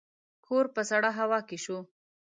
کور په سړه هوا کې شو.